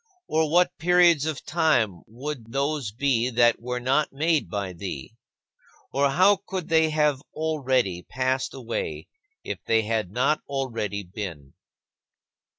Or what periods of time would those be that were not made by thee? Or how could they have already passed away if they had not already been?